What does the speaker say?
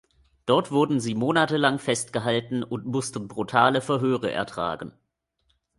Dort wurden sie monatelang festgehalten und mussten brutale Verhöre ertragen.